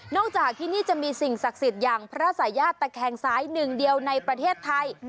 จากที่นี่จะมีสิ่งศักดิ์สิทธิ์อย่างพระสายาตะแคงซ้ายหนึ่งเดียวในประเทศไทย